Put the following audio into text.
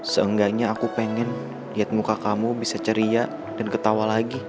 seenggaknya aku pengen liat muka kamu bisa ceria dan ketawa lagi neng babe